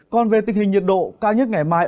còn về tình hình nhiệt độ cao nhất ngày mai